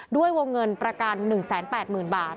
ด้วยวงเงินประกัน๑๘๐๐๐บาท